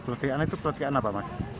pertihan itu pertihan apa mas